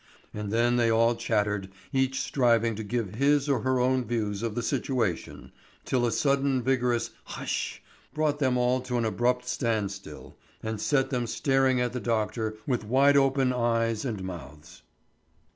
And then they all chattered, each striving to give his or her own views of the situation, till a sudden vigorous "Hush!" brought them all to an abrupt standstill and set them staring at the doctor with wide open eyes and mouths.